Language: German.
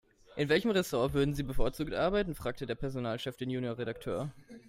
"In welchem Ressort würden Sie bevorzugt arbeiten?", fragte der Personalchef den Junior-Redakteur.